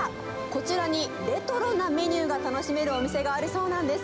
こちらにレトロなメニューが楽しめるお店があるそうなんです。